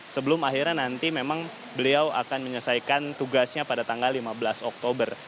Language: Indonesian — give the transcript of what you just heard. sebelum akhirnya nanti memang beliau akan menyelesaikan tugasnya pada tanggal lima belas oktober